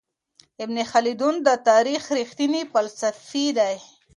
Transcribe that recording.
ابن خلدون د تاريخ رښتينی فلسفي دی.